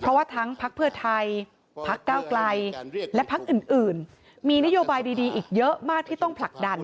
เพราะว่าทั้งพักเพื่อไทยพักก้าวไกลและพักอื่นมีนโยบายดีอีกเยอะมากที่ต้องผลักดัน